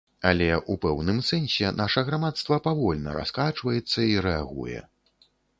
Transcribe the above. Але, у пэўным сэнсе, наша грамадства павольна раскачваецца і рэагуе.